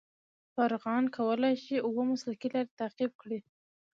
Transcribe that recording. فارغان کولای شي اوه مسلکي لارې تعقیب کړي.